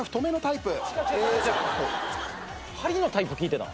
針のタイプ聞いてたの？